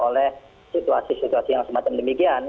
oleh situasi situasi yang semacam demikian